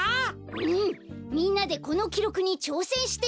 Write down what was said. うんみんなでこのきろくにちょうせんしてみようよ。